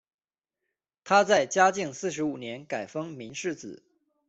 他在嘉靖四十五年改封岷世子。